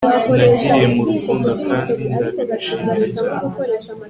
nagiriye mu rukundo kandi ndabigushimira cyane